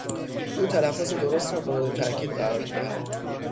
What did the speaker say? او تلفظ درست را مورد تاکید قرار میدهد.